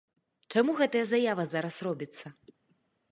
Чаму гэтая заява зараз робіцца?